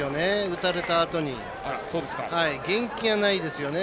打たれたあとに元気がないですよね。